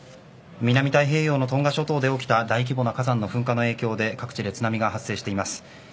南太平洋のトンガ諸島で起きた大規模な火山の噴火の影響で各地で津波が発生しています。